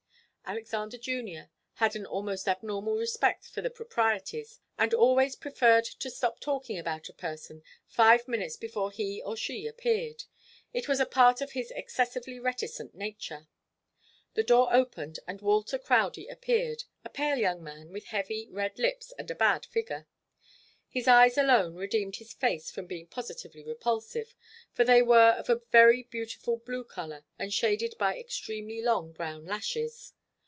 Alexander Junior had an almost abnormal respect for the proprieties, and always preferred to stop talking about a person five minutes before he or she appeared. It was a part of his excessively reticent nature. The door opened and Walter Crowdie appeared, a pale young man with heavy, red lips and a bad figure. His eyes alone redeemed his face from being positively repulsive, for they were of a very beautiful blue colour and shaded by extremely long brown lashes.